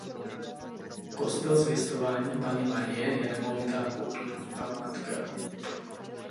Kostel Zvěstování Panny Marie je nemovitá kulturní památka.